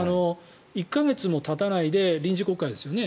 １か月もたたないで臨時国会ですよね。